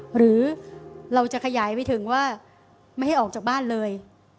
หรือเราจะขยายไปถึงว่าไม่ให้ออกจากบ้านเลย